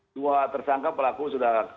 dua tersangka pelaku sudah